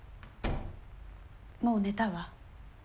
もう寝たわ。